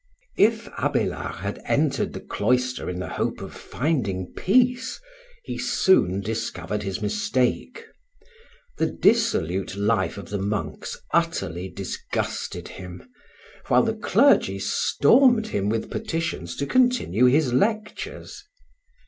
If Abélard had entered the cloister in the hope of finding peace, he soon discovered his mistake. The dissolute life of the monks utterly disgusted him, while the clergy stormed him with petitions to continue his lectures.